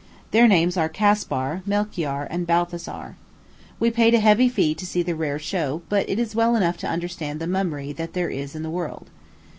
Their names are Caspar, Melchior, and Balthasar. We paid a heavy fee to see the rare show; but it is well enough to understand the mummery that there is in the world.